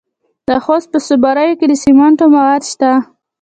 د خوست په صبریو کې د سمنټو مواد شته.